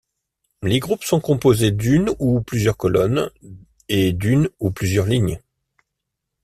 Les groupes sont composés d'une ou plusieurs colonnes et d'une ou plusieurs lignes.